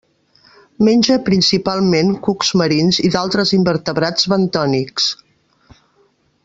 Menja principalment cucs marins i d'altres invertebrats bentònics.